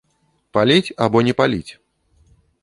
Паліць або не паліць?